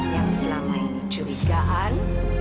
yang selama ini curigaan